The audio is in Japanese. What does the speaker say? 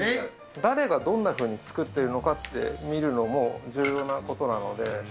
誰がどんなふう作っているのかって見るのも重要なことなので。